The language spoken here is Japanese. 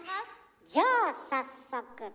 じゃあ早速。